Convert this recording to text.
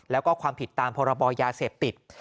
แล้วก็ความผิดตามพรบยาเสพติด